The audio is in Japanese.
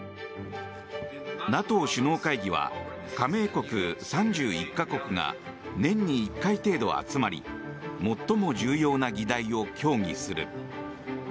ＮＡＴＯ首脳会議は加盟国３１か国が年に１回程度集まり最も重要な議題を協議する。